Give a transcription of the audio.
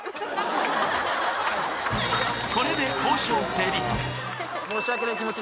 これで交渉成立